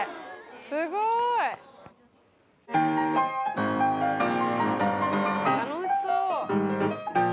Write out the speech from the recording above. すごい。・楽しそう・